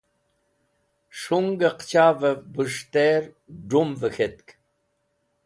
Shungẽ qẽchavẽv bũs̃htẽr d̃umvẽ k̃hetk.